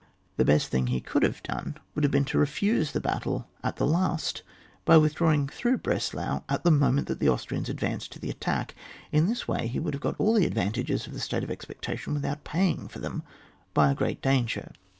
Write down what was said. The best thing he could have done would have been to refuse the battle at the last by withdrawing through Breslau at the mo ment that the Austrians advanced to the attack ; in this way he would have got all the advantages of the state of expec tation without paying for them by a great danger.